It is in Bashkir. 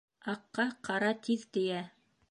Аҡҡа ҡара тиҙ тейә.